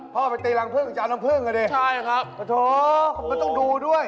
พ่อไปตีรังพึ่งจะเอาน้ำพึ่งกันดิพระโทษมันต้องดูด้วย